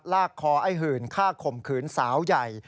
ลากคอไอ้หื่นฆ่าข่มขืนสาวใหญ่